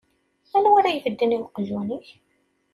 Anwa ara ibedden i uqjun-ik?